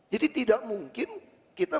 jadi tidak mungkin kita